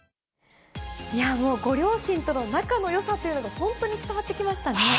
もう、ご両親との仲のよさというのが本当に伝わってきましたね。